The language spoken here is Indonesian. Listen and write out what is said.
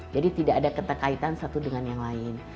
jadi tidak ada keterkaitan satu dengan yang lain